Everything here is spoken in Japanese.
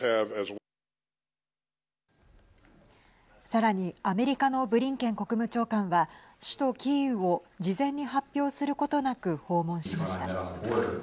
さらに、アメリカのブリンケン国務長官は首都キーウを事前に発表することなく訪問しました。